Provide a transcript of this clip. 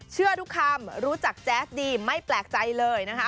เชื่อทุกคำรู้จักแจ๊สดีไม่แปลกใจเลยนะคะ